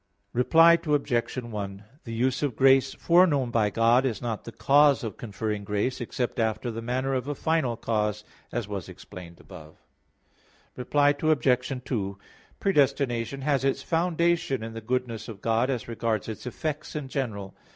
Reply Obj. 1: The use of grace foreknown by God is not the cause of conferring grace, except after the manner of a final cause; as was explained above. Reply Obj. 2: Predestination has its foundation in the goodness of God as regards its effects in general.